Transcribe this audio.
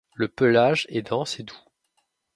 Le pelage est dense et doux.